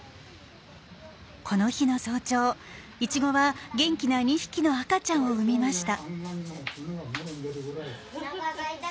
この日の早朝いちごは元気な２匹の赤ちゃんを産みました。